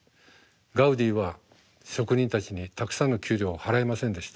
ガウディは職人たちにたくさんの給料を払いませんでした。